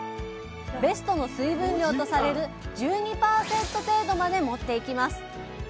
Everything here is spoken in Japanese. ベストの水分量とされる１２％程度まで持っていきます。